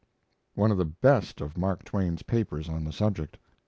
One of the best of Mark Twain's papers on the subject.